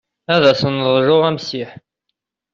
Ad sen-neḍlu amsiḥ.